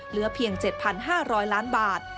เหลือเพียง๗๕๐๐ล้านบาท